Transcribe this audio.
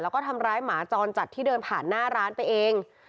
แล้วก็ทำร้ายหมาจรจัดที่เดินผ่านหน้าร้านไปเอง